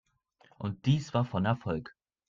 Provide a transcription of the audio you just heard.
Und dies war von Erfolg.